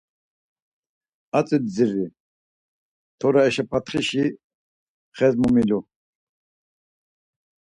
Atzi bdziri, t̆ora eşapatxişi xes momilu...